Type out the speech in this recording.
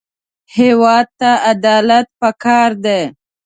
هېواد ته عدالت پکار دی